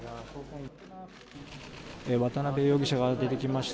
渡邉容疑者が出てきました。